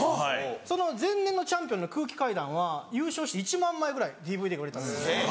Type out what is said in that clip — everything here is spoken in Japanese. その前年のチャンピオンの空気階段は優勝して１万枚ぐらいＤＶＤが売れたんですよ。